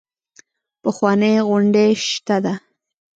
پخوانۍ غونډۍ شته ده.